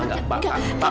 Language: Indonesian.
mama gak bakal